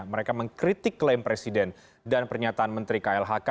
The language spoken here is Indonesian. mereka mengkritik klaim presiden dan pernyataan menteri klhk